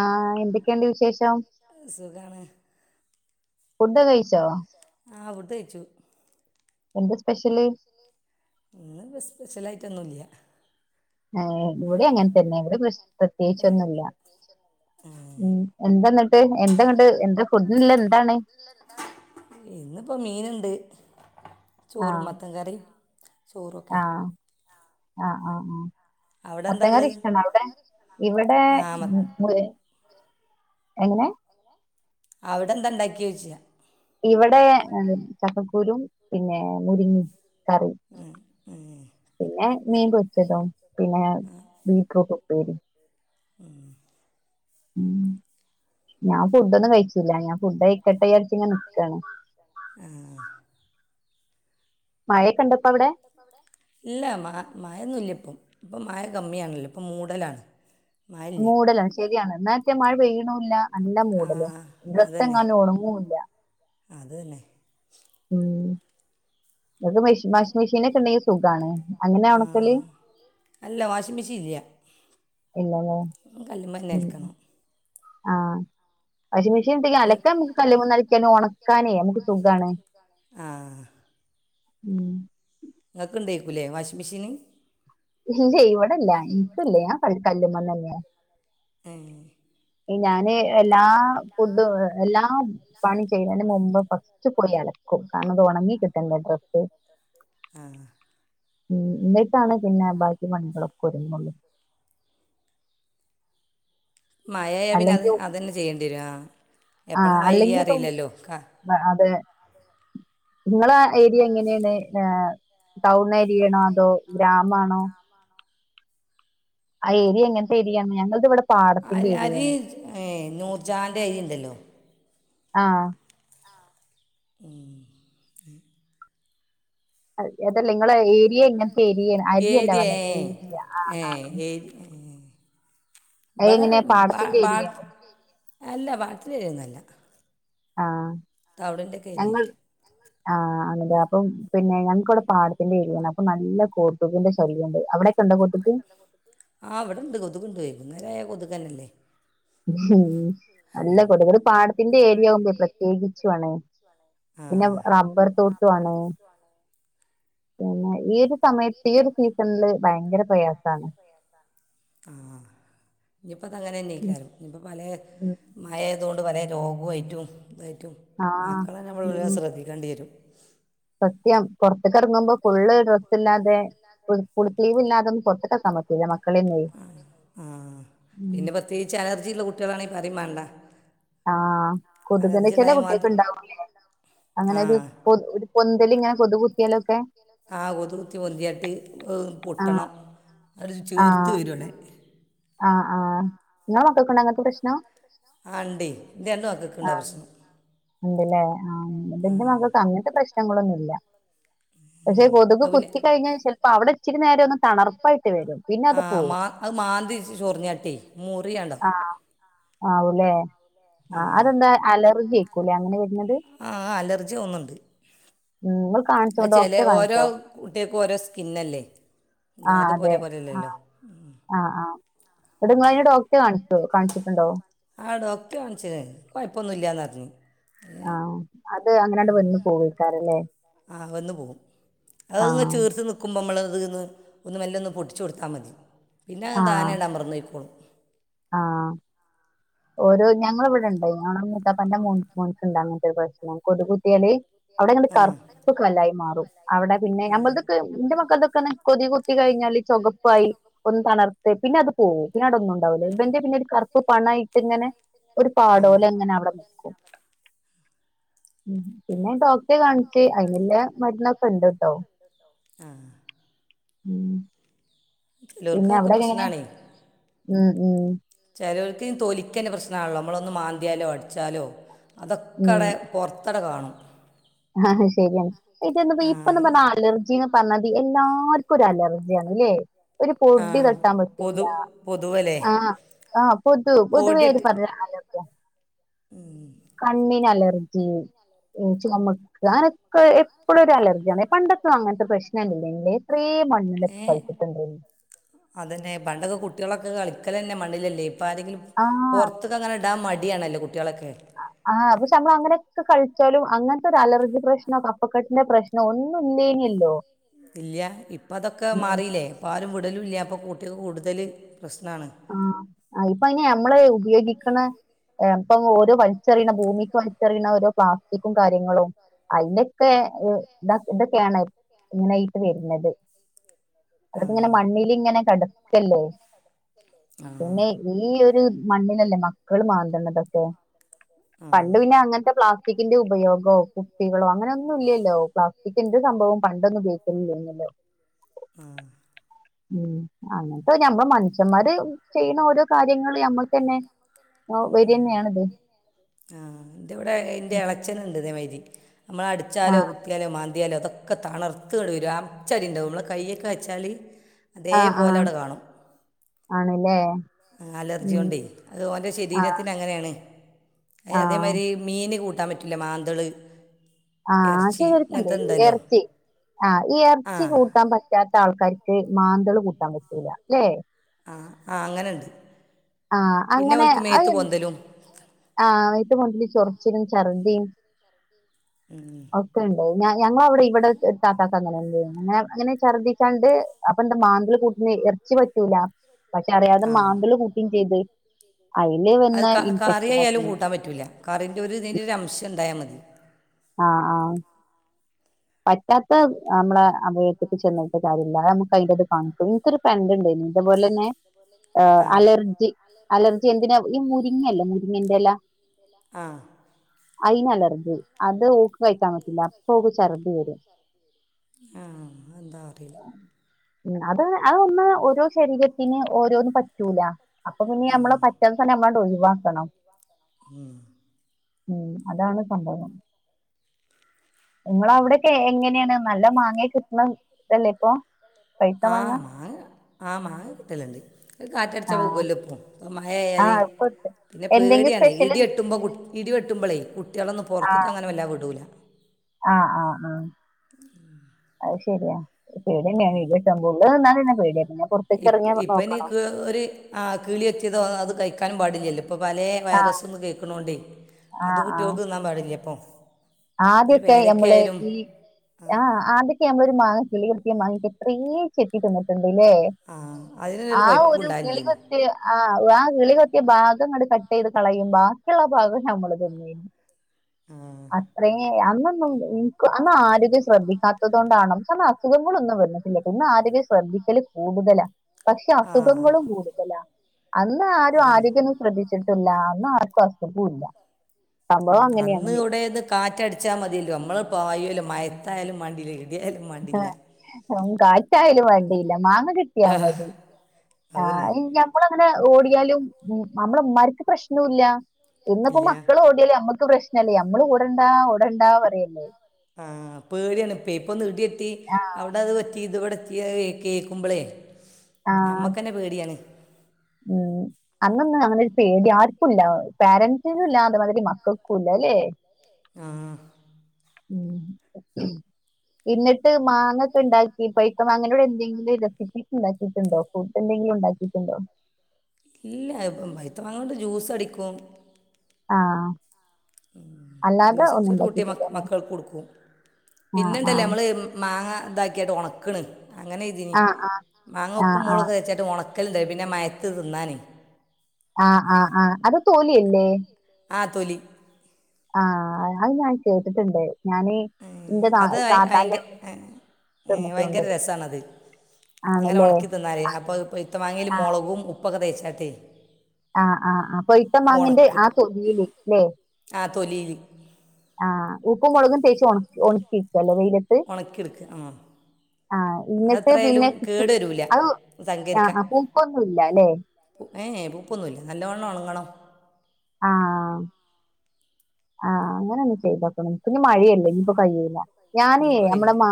ആഹ് എന്തൊക്കെയുണ്ട് വിശേഷം ഫുഡ്‌ കഴിച്ചോ ആഹ് ഫുഡ്‌ കഴിച്ചു എന്താ സ്പെഷ്യല് ഇന്ന് സ്പെഷ്യലായിട്ടൊന്നൂല്യ പ്രത്യേകിച്ചൊന്നുല്ല ഉം എന്താക്കല് [unintelligible] ഇന്നിപ്പോ മീനുണ്ട് ചോറും മത്തൻ കറിം ചോറൊക്കെ ആഹ് ആഹ് ആഹ് മത്തൻ കറി ഇഷ്ടാണ്. ഇവിടെ മോര് എങ്ങനെ അവിടെന്താണ്ടാക്യെ ചോയിച്ചയാ ഇവിടെ ചക്കക്കൂരും പിന്നെ മുരിങ്ങിം കറി, പിന്നെ മീൻപൊരിച്ചതും പിന്നെ ബീറ്റ്റൂട്ടും. പ്പേരി ഉം ഉം ഞാൾ ഫുഡ് ഒന്നും കഴിച്ചില്ല. ഞാൻ ഫുഡ് കഴിക്കട്ടെ ഇയാര്ച്ച് ഇങ്ങനെ നിക്കാണ്. ഇല്ല മ മഴയൊന്നും ഇല്ലപ്പം. ഇപ്പം മഴ കമ്മിയാണല്ലോ? ഇപ്പം മൂടലാണ്. മൂടലാണ് ശരിയാണ് നേരത്തെ മഴ പെയ്യുണൂല്ല. നല്ല മൂടലും. ഇന്നത്തെങ്ങാനു ഉണങ്ങൂല്ല. അതു തന്നെ. ഉം ക്ക് വെഷ് വാഷിംഗ് മെഷീനൊക്കെ ഉണ്ടെങ്കിൽ സുഖാണ്. അങ്ങനാ ഉണക്കല്? ഇല്ലലേ ഉം ആ വാഷിംഗ്‌ മെഷീൻത്തില് അലക്ക് നമക്ക് കല്ലുമ്മന്ന് അലക്കിയാലും ഒണ കാനേ നമുക്ക് സുഖാണ്. ആ ഉം നിങ്ങക്ക് ഉണ്ടേക്കൂല്ലേ വാഷിംഗ് മെഷീന്? ഇല്ലേയ് ഇവിടെല്ല എൻക്കില്ല ഞാൻ കൽ കല്ലുമ്മന്ന് തന്നെയാ ഉം ഞാന് എല്ലാ ഫുഡും എല്ലാ പണി ചെയ്ന്നതിനു മുമ്പ് ഫസ്റ്റ് പോയി അലക്കും. കാരണം അത് ഉണങ്ങി കിട്ടണ്ടേ ഡ്രസ്സ്. ആ ഉം ഇന്ന് ട്ടാണ് പിന്നെ ബാക്കി പണികളൊക്കെ ഒരുങ്ങൂള്ളൂ. മഴയായ പിന്നെ അത് അതന്നെ ചെയ്യേണ്ടി വരും. എപ്പളാ മഴ പെയ്യാന്ന് അറിയില്ലല്ലോ. ക നിങ്ങള ഏരിയ എങ്ങനെയാണ്? ഏ ടൗൺ ഏരിയയാണോ അതോ ഗ്രാമാണോ? ആ ഏരി എങ്ങനത്തെ ഏരിയാണ്? ഞങ്ങളത് ഇവിട പാടത്തിന്റെ ഏരിയാണ്. നൂർചാന്റെ അരി ഇണ്ടല്ലോ? ആ ഉം അത് അതെല്ല ഇങ്ങള ഏരിയ എങ്ങനെ ശരിയാണ്. അരിയല്ല പറഞ്ഞെ ഏരിയ ആ ആ അതെങ്ങനെയാ പാടത്തിന്റെറെ ഏരിയയാണോ അല്ല പാടത്തിന്റെ ഏരിയ ഒന്നുമല്ല ആഹ് ഞങ്ങൾ ആഹ് അതെ അപ്പം പിന്നെ ഞങ്ങക്കിവിടെ പാടത്തിന്റെ എയാണ് അപ്പൊ നല്ല കൊതുക് ആ ഇവടുണ്ട് കൊതുകുണ്ട് വൈകുന്നേരായ കൊതു ഇതല്ലല്ലേ നല്ല കൊതുക് ഇവിടെ പാടത്തിന്റെ ഏരിയാവുമ്പ പ്രത്യേകിച്ചു ആണ് പിന്നെ റബ്ബർ തോട്ടോ ആണ് തന്നെ ഏത് ആഹ് ഇഞ്ഞ്പ്പതങ്ങനെന്നെയ്‌ക്കാരം ഇഞ്ഞ്പ്പോ പലേ മഴേ തോണ്ട് പലേ രോഗോയ്ട്ടും [unintelligible] മക്കളെ നമ്മൾ ശ്രദ്ധിക്കണ്ടി വരും സത്യം പൊറത്ത്ക്ക്‌ എറങ്ങുമ്പോ ഫുളള് ഡ്രസ്സ് ഇല്ലാതെ, ഫുൾ ഫുൾ സ്ലീവ് ഇല്ലാ [unintelligible] പൊറത്ത്ക്കെർ ആ പിന്നെ പ്രത്യേകിച്ച് അലർജിള്ള കുട്ടിയേളാണെ പ റിംമാണ്ട ആഹ് കൊതുക് ൻ്റെ ചെല കുട്ടിയേക്ക്‌ ഉണ്ടാവൂല്ലേ അങ്ങനെ ഒരു ഒരു പൊന്തല് ഇങ്ങനെ കൊതു കുത്തിയാലൊക്കെ ആ കൊതുകുത്തി പൊന്തിയാട്ട് ഏഹ് പൊട്ടണം അത് ചീർത്ത് വരു അവ്ടെ ആഹ് ആഹ് ഇങ്ങളെ മക്കക്ക്ണ്ടോ അങ്ങൻത്തെ പ്രശ്നം ആ ഇണ്ടേ ഇന്റെ രണ്ട് മക്കക്ക്ണ്ടാ പ്രശ്നം ഉണ്ട് ലേ ആ [unintelligible] ഇന്റെ മകൾക്ക് അങ്ങനത്തെ പ്രശ് നങ്ങളൊന്നുല്ല പക്ഷെ കൊതുക് കുത്തിക്കഴിഞ്ഞാൽ ചിലപ്പോ അവിടെ ഇച്ചിരി നേരം ഒന്ന് തണർപ്പായി ട്ട് വരും പിന്നെ അത് പോവും മാന്തി ചോറിഞ്ഞിട്ടെ മുറിയാണ്ടാവും ആവുലേ ആ അതെന്താ അലർ [unintelligible] ലെ അങ്ങെനെ വെ ആ അലർജി ഒന്ന്ണ്ട് അഹ് ചെലേ ഓരോ കുട്ടേക്കും ഓരോ സ്‌കിന്നെല്ലേ എല്ലാർദും ഒരേപോലെല്ലല്ലോ അ ആ [unintelligible] ഡോക്റ്റെ കാൺച്ചോ കാൺച്ചിട്ടുണ്ടോ ആ ഡോക്ടറെ കാണിച്ച് കൊയപ്പന്നൂല്യന്ന് പറഞ് ആഹ അത് അങ്ങനെയണ്ട് വന്ന് പോവയ്ക്കാരല്ലേ ആ അതൊന്ന് മെല്ലോന്ന് പൊട്ടിച്ചു കൊടുത്താ മതി പിന്നെ അത് താനങ്ങട്ട് അമർന്ന് പൊയ്ക്കോളും ആ ഓരോ ഞങ്ങളെ ഇവിടണ്ട് ഞങ്ങളെ മൂത്താപ്പന്റെ മോന്ക്ണ്ട് അങ്ങൻത്തെ ഒരു പ്രശ്നം കൊതുകുത്തിയാൽ അവിടെങ്ങട്‌ കറുപ്പ് കലായി മാറും അവിടെ പിന്നെ ഞമ്മളതൊക്കെ എന്റെ മക്കൾദൊക്കെ കൊതു കുത്തി കഴിഞ്ഞാൽ ചുകപ്പായി ഒന്ന് തണർത്ത് പിന്നെ അതു പോകും പിന്നെ അവിടെ ഒന്നും ഇവന്റെ പിന്നെ ഒരു കറുപ്പ് പണയിട്ട് ഇങ്ങനെ ഒരു പാടോലെ അങ്ങനെ അവിടെ നിക്കും മ് പിന്നെ ഡോക് റെ കാണിച്ച് അതിനില്ലെ മരുന്നൊക്കെ ഉണ്ട്ട്ടോ മ് പിന്നെ അവിടൊക്കെങ്ങനെ ഉം ഉം ഈ തൊലിക്കെന്നെ പ്രശ്നാണല്ലോ മ്മളൊന്ന് മാന്തിയാലോ അടിച്ചാലോ അതൊക്കെ അടെ പൊറത്തടെ കാണും. ആഹ് ശരിയാണ് ഇത് എന്തപ്പോ ഇപ്പോന്നും പറഞ്ഞ അലർജിന്ന് പറഞ്ഞാതി എല്ലാർക്കും ഒരു അലർജിയാണ് ല്ലേ? ഒരു പൊടി തട്ടാൻ പറ്റൂല്ല ആ ആഹ് കൊതു പൊതുവെ ഇത് പറയ അലർ [inaudible] കണ്ണിന അലർജി ഏ ചൊമ ക്ക അങ്ങനൊക്കെ എപ്പഴും ഒരു അലർജി ആണേ പണ്ടന്നും അങ്ങനത്തെ പ്രശ്നം ഇല്ലെനിലെ ഇത്രേം ഈ മണ്ണിലൊക്കെ കളിച്ചിട്ട്ണ്ടെനി അതന്നെ പണ്ടൊക്കെ കുട്ടിളൊക്കെ കളിക്കലന്നെ മണ്ണിലല്ലേയ്- ഇപ്പാരെങ്കിലും പൊറത്ത്ക്ക് അങ്ങനെ ഇടാൻ മടി ടി ആണല്ലോ കുട്ടി അ ആഹ് സംഭവം അങ്ങനെക്കെകൾ ച്ചാലും അങ്ങനത്തൊരു അലർജി പ്രശ്നോ കഫക്കെട്ടിന്റെ പ്രശ്നോ ഒന്നും ഇല്ലേനിയല്ലോ ഇല്ല്യ ഇപ്പ അതൊക്കെ മാറിലേ ഇപ്പ ആരും വിടലുംല്ല്യ ഇപ്പൊ [unintelligible] കൂടുതല് ആഹ് ആ ഇപ്പ അയിന് അമ്മള് ഉപയോഗിക്കണ ഏ ഇപ്പം ഓരോ വലിച്ചെറിയണ ഭൂമിക്ക് വലിച്ചെറിയണ ഓരോ പ്ലാസ്റ്റിക്കും കാര്യങ്ങളും അയിന്റൊക്കെ ഏ ഇത ഇതൊക്കെയാണ് ഇങ്ങനായിട്ട് വരുന്നത്. അതൊക്കെ ഇങ്ങനെ മണ്ണിലിങ്ങനെ കെട ക്കല്ലോ പിന്നെ ഈ ഒരു മണ്ണിലല്ലേ മക്കള് മാന്ത്ണതൊക്കെ. പണ്ട് പിന്നെ അങ്ങനത്തെ പ്ലാസ് സികിന്റെ ഉപയോഗോ കുപ്പികളോ അങ്ങനെ ഒന്നും ഇല്യല്ലോ പ്ലാ സികിന്റെ സംഭവം പണ്ടൊന്നും ഉപയോഗിക്കൽല്ലെഞ്യല്ലോ? ഉം അങ്ങൻത്തെ ഞമ്മ മനുഷ്യന്മാര് ചെയ്യുന്ന ഓരോ കാര്യങ്ങള് ഞമ്മൾക്കെന്നെ ഒ വെരന്നെണിത്. ഉം അമ്മള് അടിച്ചാലോ കുത്തിയാലോ മാ ന്തിയാലോ തൊക്കെ തണർത്ത് ഇങ്ങട് വരും അച്ചടിണ്ടാവും മ്മളെ കയ്യൊക്കെ വെച്ചാല് തേപോലെ അവ്ടെ കാണും. അലർജി കൊണ്ടേ അത് ഓന്റെ ശരീരത്തിന് അങ്ങനെണ് എ അതേമായ്രി മീന് കൂട് ത്താൻ പറ്റില്ല മാന്തള് ആഹ് ചെയ്തിട്ട്ണ്ട് എർച്ചി ആഹ് ഈ എർച്ചി കൂട്ടാൻ പറ്റാത്ത ആൾക്കാര് മാന്തള് കൂട്ടാൻ പറ്റൂല ല്ലേ ആ ആ അങ്ങനെണ്ട്, പിന്നെ ഓൽക്ക് മേത്ത് പൊന്തലും ആഹ് ഇപ്പൊ മൊതല് ചൊറിച്ചിലും ഛർദിം ഒക്കെ ഇണ്ട് ഞ ഞങ്ങൾ അവിടെ ഇവിടെ താത്ത [unintelligible] ഇങ്ങനെ ഛർദ്ദിച്ചാണ്ട് അപ്പൊ എന്താ മാന്തല് കൂട്ടണ് എറച്ചി പറ്റൂല പക്ഷെ അറിയാതെ മാന്തല് കൂട്ടീം ചെയ്ത്. അയലെ വന്ന ഇ കറിയായാലും കൂട്ടാൻ പറ്റൂല, കറിന്റ ഒരു ഇതിന്റെ ഒരു അംശം ഉണ്ടായാ മ ആഹ് ആഹ് പറ്റാത്ത നമ്മള അഭയത്തക്ക് ചെന്നിട്ട് കാര്യ ഇല്ലാ, നമുക്ക് അയിൻറെത് കാണിക്കും, എനിക്കൊരു ഫ്രണ്ടിണ്ട് ഇതുപോലന്നെ ഏഹ് അലർജി അലർജി എന്തിനാ ഈ മുരിങ്ങല്ലേ മുരിങ്ങന്റെ ഇല ആഹ് അയിന് അലർജി അത് ഓക്ക് കഴിക്കാൻ പറ്റില്ല അപ്പൊ ഓക്ക് ഛർദി വരും ആ എന്താ അറിയില്ല അത് അത് ഒന്ന് ഓരോ ശരീരത്തിന് ഓരോന്നു പറ്റൂല അപ്പൊ പിന്നെ നമ്മള് പറ്റുന്ന സാനം നമ്മളോട്ട് ഒഴിവാ സനം ഉം ഉം അതാണ് സംഭവം നിങ്ങളെ അവിടെയൊക്കെ എങ്ങനെയാണ് നല്ല മാങ്ങയൊക്കെ കിട്ട്ണ ഇതല്ലേ ഇപ്പൊ ആ ആ മാങ്ങ കിട്ടല്ണ്ട് കാറ്റടിച്ചാൽ വികോലപ്പം മഴ ആയാൽ പിന്നെ പേടിയാണ് ഇടി വെട്ടുമ്പോൾ കു ഇടി വെട്ടുമ്പോളേ കുട്ടികളൊന്നും പുറത്തേക്ക അങ്ങനെ വല്ലാതെ വിടൂല്ല ആഹ് ആഹ് ആഹ് അത് ശെരിയാ പേടിയെന്നെയാണ് ഇടിവെട്ടുമ്പോ ഉള്ളിൽ നിന്നാല് പിന്നെ പേടിയാണ് ഇപ്പ ഇപ്പ നിക്ക് ഒരു ആ കിളി കൊത്തി [unintelligible] അത് കഴിക്കാനും പാടില്ലല്ലോ ഇപ്പോ പലെ വൈറസു ഒന്ന് കേക്ക്ണോണ്ടെ അത് കുട്ടിയോൾക്ക് തിന്നാൻ പാടില്ല ഇപ്പോ ആദ്യൊക്കെ നമ്മള് ഈ ആ ആദ്യൊക്കെ നമ്മളൊരു മാങ്ങ കിളികുത്തി മാങ്ങ എത്രെ ചെത്തി തിന്നിട്ടുണ്ട് ല്ലേ ആ ഒരു കിളികൊത്തി ആഹ്‌ ആ കിളികൊത്തിയ ഭാഗങ്ങട് കട്ടയ്ത് കളയും ബാക്കിയുള്ള ഭാഗം നമ്മള് തിന്നീനി അത്രേം ഏ അന്നൊന്നും എനക്ക് അന്ന് ആരോഗ്യം ശ്രദ്ധിക്കാത്തത് കൊണ്ടാണ് ശെ അന്നഅസുഖങ്ങളോന്നും വന്നട്ടില്ലട്ടോ ഇന്ന് ആരോഗ്യം ശ്രദ്ധിക്കല് കൂടുതലാ പക്ഷെ അസുഖങ്ങളും കൂടുതലാ അന്ന് ആരും ആരോഗ്യൊന്നും ശ്രദ്ധി ട്ടില്ല അന്നർക്കു അസുഗുല്ല സംഭവം അങ്ങനെയാണല്ലേ കാറ്റടിച്ചാൽ മതില്ലോ നമ്മൾ പായോല്ലോ മഴത്തായാലും മാണ്ടീല്ല ഏലും മാണ്ടില്ല പം കാറ്റായാലും വേണ്ടില്ല മാങ്ങ കിട്ടിയമതി ആഹ്‌ ഇഞമ്മളങ്ങനെ നെ ഓടിയാലും നമ്മളുമ്മാർക്ക് പ്രശ്നുല്ല ഇന്നിപ്പം മക്കൾ ഓടിയാല് നമ്മക്ക് പ്രശ് അല്ല നമ്മള് ഓടണ്ട ഓടണ്ട പറയല്ലേ ആഹ് പേടിയാണ് ഇപ്പെ ഇപ്പൊനിടി ട്ടി അവിടത് പറ്റി ഇത് ഇവിട പറ്റിയെ കേക്കുമ്പളെ നമ്മക്കെന്നെ പേടിയാണ് ഉം അന്നൊന്നും അങ്ങനെരു പേടി ആർക്കുംല്ല പോരൻസിനുംല്ല അതമാതിരി മക്കൾക്കുംല്ല അല്ലെ ആഹ് ഉ എന്നിട്ട് മാങ്ങൊക്കെ ഉണ്ടാക്കി പയ്ത്തമാങ്ങനോട് എന്തെങ്കിലും റെസിപ്പീസ് ഉണ്ടാക്കിട്ടുണ്ടോ ഫുഡ് എന്തെങ്കിലും ഉണ്ടാക്കിട്ടുണ്ടോ ഇല്ല ഇപ്പം പൈത്തമാങ്ങോണ്ട് ജ്യൂസ് അടിക്കും ആ മൂ ജ്യൂസ് ഇചിരി കുട്ടി മക്കൾക്ക് കൊടുക്കും പിന്നെണ്ടല്ലോ നമ്മള് മാങ്ങ ഇന്താക്കിയിട്ട് ഉണക്കണ് അങ്ങനെ ഇതിന് മാങ്ങ ഉപ്പും മൂളൊകു തേച്ചട്ട് ഉണക്കും മക്കളിണ്ട് പിന്നെ മയത്ത് തിന്നാനേ ആഹ് ആഹ് ആഹ് അതു തോലിയല്ലേ തൊലി ആ ആ അത് ഞാൻ കേട്ടിട്ടിൻണ്ട് അത് ഭയങ്ക ഏ ഭയങ്കര രസണത് അങ്ങനെ ഉണക്കി തിന്നാല് അപ്പോ അത് പഴുതമാങ്ങേല് മുളകും ഉപ്പൊക്കെ തേയ്ച്ച് ടെ ആഹ് ആഹ് ആ അപ്പൊ ഇപ്പം മാങ്ങന്റെ ആ തൊലീല് അല്ലേ തൊലിയില് ആഹ് ഉപ്പും മുളകും തേച്ച് ഒണ ഒണക്കി ഉണക്കിയെടുക്കുക ആ അത് എത്രയായാലും കേടു വരുല്ല അത് [unintelligible] ഏ പൂപ്പൊന്നുമില്ല നല്ലവണ്ണം ഉണങ്ങണം ആഹ് അങ്ങനെ ഒന്ന് ചെയ്ത് നോക്കണം പിന്നെ മഴയല്ലേ ഇനിയിപ്പ കഴിയൂല ഞാനേ നമ്മടെ മാ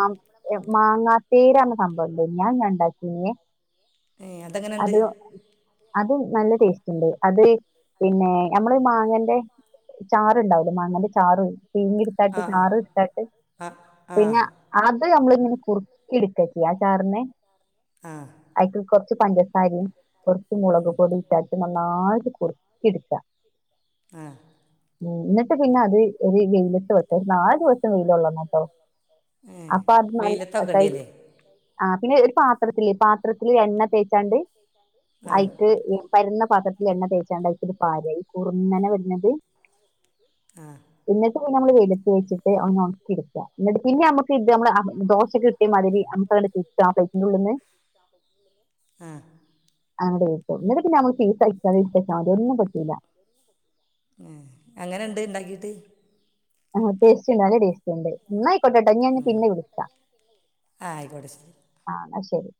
മാങ്ങാ തീരെ അങ്ങ് [unintelligible] ഞാൻ ഞാൻ ഉണ്ടാക്കീനേ അത് അത് നല്ല ടേസ്റ്റ് ഉണ്ട് അത് പിന്നെ നമ്മള് മാങ്ങേന്റെ ചാറ്ണ്ടാവൂലേ മാങ്ങേന്റെ ചാറ് [unintelligible] ചാറ് [unintelligible] പിന്നെ ആ [unintelligible] നമ്മളിങ്ങനെ കുറുക്കിയെടുക്കെ ചെയ്യാ ചാറിനെ [unintelligible] കൊ [unintelligible] പഞ്ചസാരേം കൊറച്ച് മുളക് പൊടിച്ചേർത്ത് നന്നായി [unintelligible] കുറുക്കിയെടുക്കുക ആ ഉം എന്നിട്ട് പിന്നെ അത് ഒരു വെയിലത്ത് വെച്ച് ഒരു നാല് ദിവസം വെയിൽ കൊള്ളണം കേട്ടോ അപ്പാ അത്മാല്ല കൈൽ [unintelligible] ആ പിന്നെ ഒരു പാത്രത്തില് പാത്രത്തില് എണ്ണ തേച്ചാണ്ട് ആയിട്ട് [unintelligible] പത്രത്തിൽ എണ്ണ തേച്ചാണ്ടാക്കത്ത് പാരായി കുറുന്നനെ വരുന്നത് ആഹ നമ്മള് വെയിലത്ത് വെച്ചിട്ട് ഒന്ന് ഉണക്കി എടുക്ക എന്നിട്ട് പിന്നെ നമ്മക്ക് നമ്മള് ദോശക്കിട്ട മാതിരി അമ്പതണ്ണം ചുട്ട് ആ പ്ലേറ്റ് ആ ഒന്നങ്കി പിന്നെ പീസ് ആയി തരണം [unintelligible] അതൊന്നും പറ്റൂല എങ്ങ്നെ ഇണ്ട് ഉണ്ടാക്കീട്ട് ആഹ ടേസ്റ്റിണ്ട് നല്ല ടേസ്റ്റിണ്ട് പോട്ടെ കേട്ട ഇനി ഞാൻ പിന്നെ വിളിക്കാം ആഹ ശരി ശരി